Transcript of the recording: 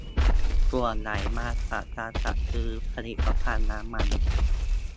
ส่วนใหญ่มาจากการจัดซื้อผลิตภัณฑ์น้ำมัน